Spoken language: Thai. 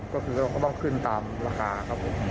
ก็คือเราก็ต้องขึ้นตามราคาครับผม